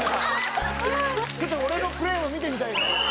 ちょっと俺のプレーも見てみたいな。